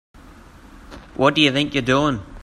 What do you think you're doing?